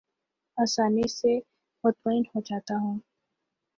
آسانی سے مطمئن ہو جاتا ہوں